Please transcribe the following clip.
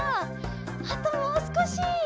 あともうすこし。